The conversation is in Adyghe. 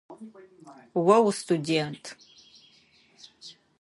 О устудэнт.